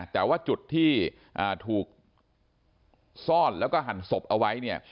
แต่ว่าจุดที่ถูกซ่อนแล้วก็หั่นศพเอาไว้เนี่ย